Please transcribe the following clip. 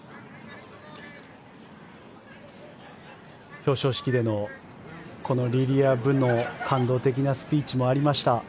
表彰式でのこのリリア・ブの感動的なスピーチもありました。